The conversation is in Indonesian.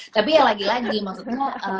tapi ya lagi lagi maksudnya